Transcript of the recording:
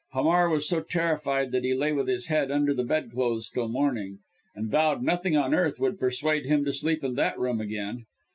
Hamar was so terrified that he lay with his head under the bedclothes till morning, and vowed nothing on earth would persuade him to sleep in that room again.